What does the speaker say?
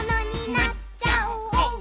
「なっちゃおう」